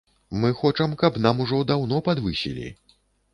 Мы хочам, каб нам ужо даўно падвысілі.